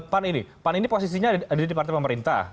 pan ini posisinya ada di partai pemerintah